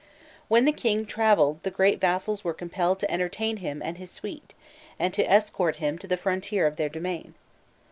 When the king travelled, the great vassals were compelled to entertain him and his suite, and to escort him to the frontier of their domain.